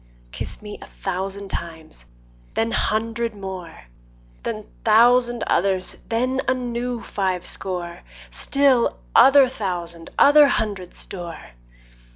Kiss me a thousand times, then hundred more, Then thousand others, then a new five score, Still other thousand other hundred store.